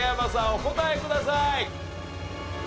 お答えください。